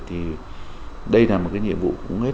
thì đây là một nhiệm vụ cũng hết sức